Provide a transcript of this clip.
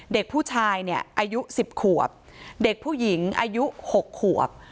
เด็กผู้ชายเนี่ยอายุ๑๐ขวบเด็กผู้หญิงอายุ๖ขวบ